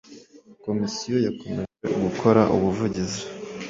Komisiyo yakomeje gukora ubuvugizi